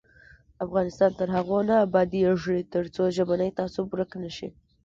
افغانستان تر هغو نه ابادیږي، ترڅو ژبنی تعصب ورک نشي.